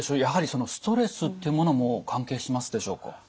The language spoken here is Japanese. やはりそのストレスっていうものも関係しますでしょうか？